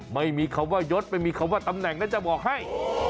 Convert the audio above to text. ไม่มีคำว่ายศไม่มีคำว่าตำแหน่งน่าจะบอกให้